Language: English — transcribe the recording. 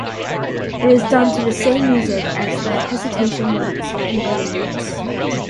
It is done to the same music as the Hesitation Waltz and Dream Waltz.